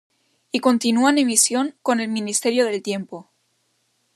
Y continua en emisión con El Ministerio del Tiempo.